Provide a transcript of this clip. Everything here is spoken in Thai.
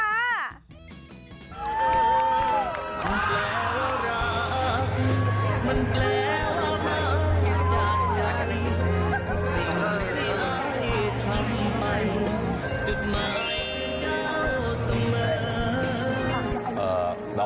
สวัสดีคุณครับ